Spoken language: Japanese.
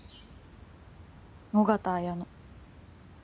緒方綾乃。